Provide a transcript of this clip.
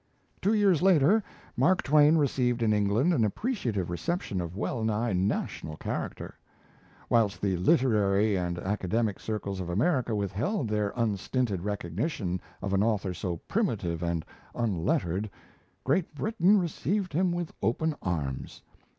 Two years later, Mark Twain received in England an appreciative reception of well nigh national character. Whilst the literary and academic circles of America withheld their unstinted recognition of an author so primitive and unlettered, Great Britain received him with open arms.